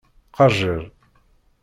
Qajjer.